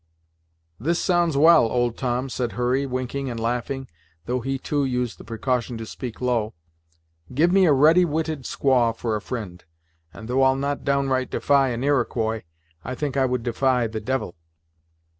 "This sounds well, old Tom," said Hurry, winking and laughing, though he too used the precaution to speak low "Give me a ready witted squaw for a fri'nd, and though I'll not downright defy an Iroquois, I think I would defy the devil."